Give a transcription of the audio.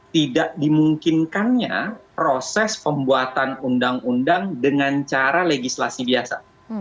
tidak dimungkinkannya proses pembuatan undang undang dengan cara legislasi biasa